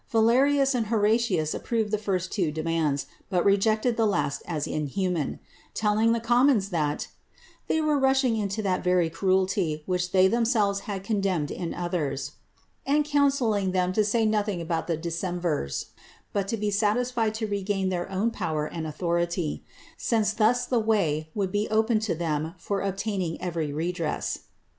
Valerius and Horatius approved the first two demands, but rejected the last as inhuman; telling the commons that "they were rushing into that very cruelty which they themselves had condemned in others;" and counselling them to say nothing about the decemvirs, but to be satisfied to regain their own power and authority; since thus the way would be open to them for obtaining every redress.